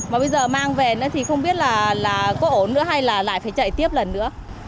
mà bây giờ mang về thì không biết là có ổn nữa hay là lại phải chạy tiếp lần nữa